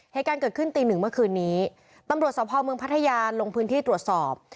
เหตุการณ์เกิดขึ้นตีหนึ่งเมื่อคืนนี้ตำรวจสภเมืองพัทยาลงพื้นที่ตรวจสอบ